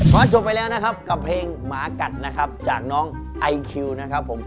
เพราะจบไปแล้วนะครับกับเพลงหมากัดนะครับจากน้องไอคิวนะครับผม